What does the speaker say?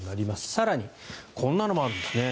更にこんなのもあるんですね。